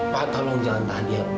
pak tolong jangan tahan dia